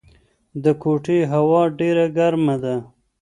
د کوټې هوا ډېره ګرمه ده.